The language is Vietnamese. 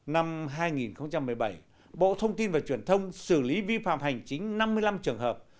năm hai nghìn một mươi bảy bộ thông tin và truyền thông xử lý vi phạm hành chính năm mươi năm trường hợp